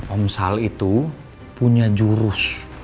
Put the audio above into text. om sal itu punya jurus